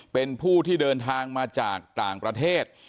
เป็นผู้ที่เดินทางมาจากต่างประเทศ